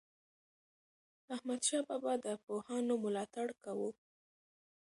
احمدشاه بابا د پوهانو ملاتړ کاوه.